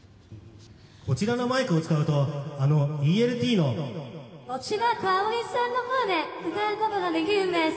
こちらのマイクを使うとあのＥＬＴの持田香織さんの声で歌うことができるんです。